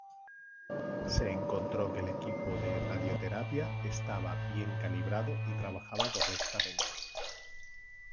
Se encontró que el equipo de radioterapia estaba bien calibrado y trabajaba correctamente.